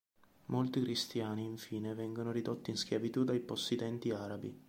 Molti cristiani infine vengono ridotti in schiavitù dai possidenti arabi.